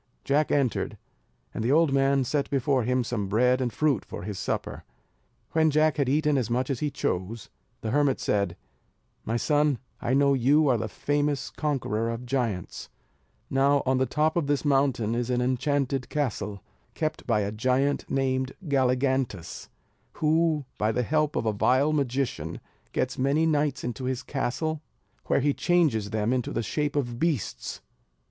Jack entered, and the old man set before him some bread and fruit for his supper. When Jack had eaten as much as he chose, the hermit said, "My son, I know you are the famous conqueror of giants; now, on the top of this mountain is an enchanted castle, kept by a giant named Galligantus, who, by the help of a vile magician, gets many knights into his castle, where he changes them into the shape of beasts.